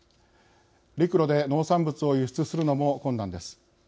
陸路で農産物を輸出するのも困難です。